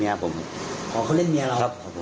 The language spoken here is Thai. อ๋อเขาเล่นแม่เราเหรอเหรอเขาเล่นนานนี่ครับขอบคุณครับ